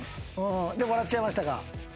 で笑っちゃいましたか？